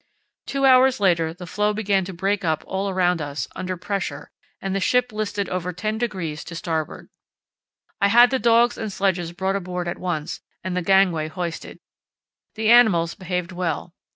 Two hours later the floe began to break up all round us under pressure and the ship listed over 10 degrees to starboard. I had the dogs and sledges brought aboard at once and the gangway hoisted. The animals behaved well.